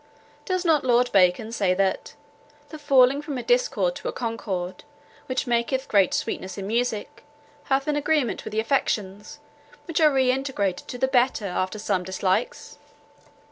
Does not Lord Bacon say that, 'the falling from a discord to a concord, which maketh great sweetness in music, hath an agreement with the affections, which are re integrated to the better after some dislikes?